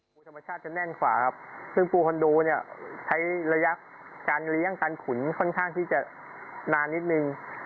ปูธรรมชาติจะแน่นกว่าครับซึ่งปูคอนโดเนี่ยใช้ระยะการเลี้ยงการขุนค่อนข้างที่จะนานนิดนึง